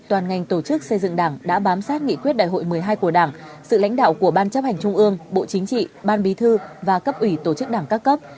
toàn ngành tổ chức xây dựng đảng đã bám sát nghị quyết đại hội một mươi hai của đảng sự lãnh đạo của ban chấp hành trung ương bộ chính trị ban bí thư và cấp ủy tổ chức đảng các cấp